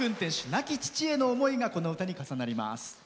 亡き父への思いがこの歌に重なります。